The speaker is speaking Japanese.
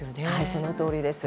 そのとおりです。